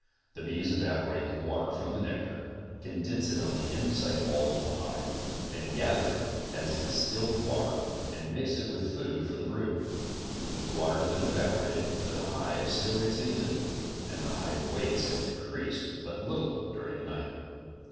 The bees evaporate the water from the nectar, condense it on the inside walls of the hive, then gather it as distilled water and mix it with food for the brood. The water has been evaporated, but the hive still retains it, and the hive weights have decreased but little during the night.